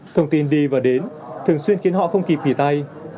thông tin đi và đến thường xuyên khiến họ không kịp nghỉ tay